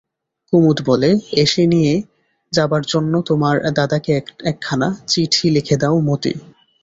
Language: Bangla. কুমুদ বলে, এসে নিয়ে যাবার জন্য তোমার দাদাকে একখানা চিঠি লিখে দাও মতি।